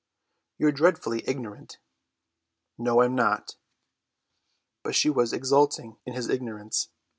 "You're dreadfully ignorant." "No, I'm not." But she was exulting in his ignorance.